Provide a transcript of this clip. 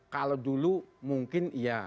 kalau dulu mungkin iya